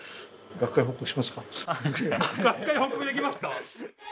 学会報告できますか？